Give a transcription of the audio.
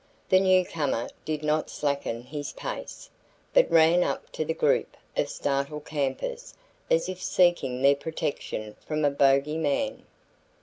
The newcomer did not slacken his pace, but ran up to the group of startled campers as if seeking their protection from a "Bogy Man."